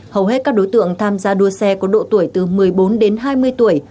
hầu hết các đối tượng tham gia đua xe có độ tuổi từ một mươi bốn đến hai mươi tuổi